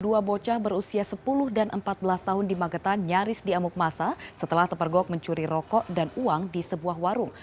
dua bocah berusia sepuluh dan empat belas tahun di magetan nyaris diamuk masa setelah terpergok mencuri rokok dan uang di sebuah warung